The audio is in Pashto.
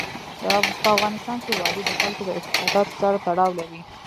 په افغانستان کې وادي د خلکو د اعتقاداتو سره تړاو لري.